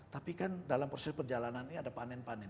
tapi kan dalam proses perjalanannya ada panen panen